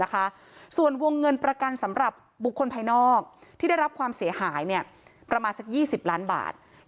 ส่วนวงเงินประกันสำหรับบุคคลภายนอกที่ได้รับความเสียหายประมาณสัก๒๐ล้านบาท